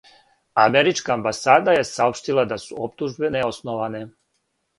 Америчка амбасада је саопштила да су оптужбе неосноване.